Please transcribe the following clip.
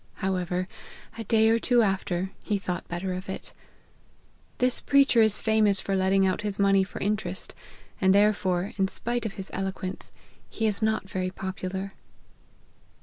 However, a day or two after, he thought better of it. This preacher is famous for letting out his money for interest; and therefore, in spite of his eloquence, he is not very popular."